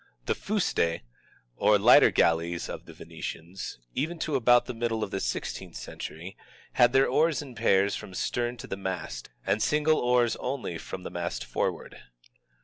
The fuste or lighter galleys of the Venetians, even to about the middle of the i6th century, had their oars in pairs from the stern to the mast, and single oars only from the mast forward.